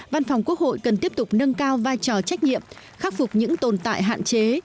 văn phòng quốc hội cần tiếp tục nâng cao vai trò trách nhiệm khắc phục những tồn tại hạn chế